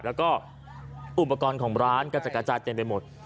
แล้วก็อุปกรณ์ของร้านกระจัดกระจายเต็มไปหมด